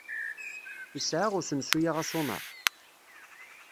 Yesɛa usensu-a aṣuna?